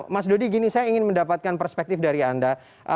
mas dodi gini saya ingin mendapatkan perspektif dari anda